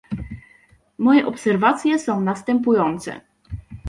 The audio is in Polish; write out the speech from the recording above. Moje obserwacje są następujące